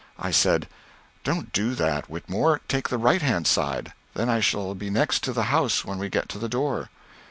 I said, "Don't do that, Whitmore; take the right hand side. Then I shall be next to the house when we get to the door."